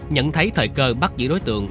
nhận thấy thời cơ bắt giữ đối tượng